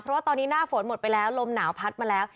เพราะว่าตอนนี้หน้าฝนหมดไปแล้วลมหนาวพัดมาแล้ว